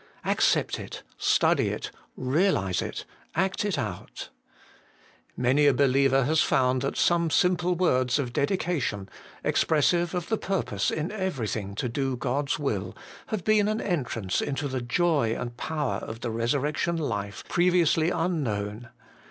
Accept it ; study it ; realize it ; act it out Many a believer has found that some simple words of dedication, expressive of the purpose in every thing to do God's will, have been an entrance into the joy and power of the resurrection life previously unknown.